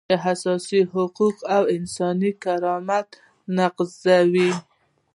چې اساسي حقوق او انساني کرامت نقضوي.